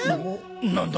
何だ？